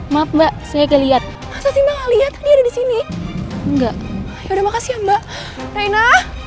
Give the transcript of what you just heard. maaf mbak saya gak liat masa sih mbak gak liat tadi ada disini enggak yaudah makasih ya mbak reina